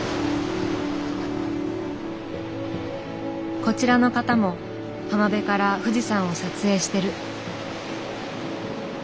こちらの方も浜辺から富士山を撮影してる。